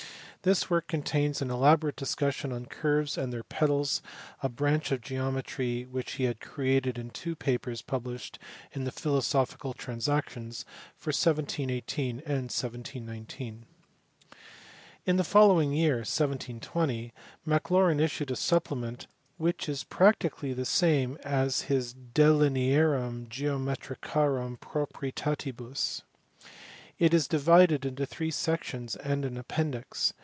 This work contains an elaborate discussion on curves and their pedals, a branch of geometry which he had created in two papers published in the Philosophical Transactions for 1718 and 1719. In the following year, 1720, Maclaurin issued a supplement which is practically the same as his De Linearum Geometri carum Proprietatibus. It is divided into three sections and an appendix.